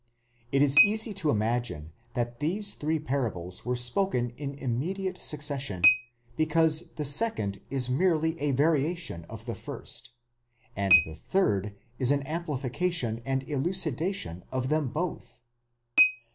It is easy to imagine that these three parables were spoken in immediate succession, because the second ls merely a variation of the first, and the third is an amplification and elucidation of them both.